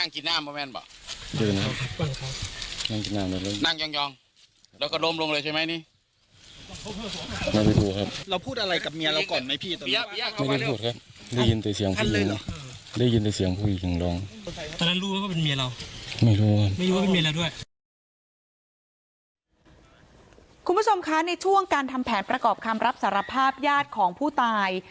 คุณผู้ชมคะในช่วงการทำแผนประกอบคำรับสารภาพญาติของผู้ตาย